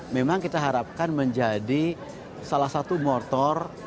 memang kita harapkan menjadi salah satu motor